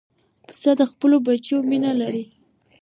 پسه د خپلو بچیو مینه لري.